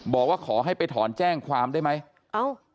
บอกว่าขอให้ไปถอนแจ้งความได้ไหมเอ้า